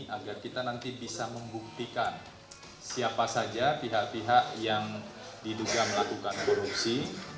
agar kita nanti bisa membuktikan siapa saja pihak pihak yang diduga melakukan korupsi